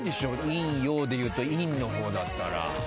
陰陽でいうと陰のほうだったら。